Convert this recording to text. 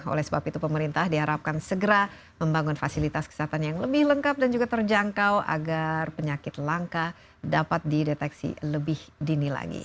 oleh sebab itu pemerintah diharapkan segera membangun fasilitas kesehatan yang lebih lengkap dan juga terjangkau agar penyakit langka dapat dideteksi lebih dini lagi